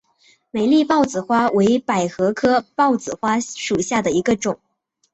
美丽豹子花为百合科豹子花属下的一个种。